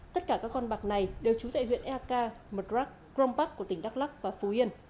tất cả các con bạc này đều trú tại huyện eka mật rắc grom park của tỉnh đắk lắc và phú yên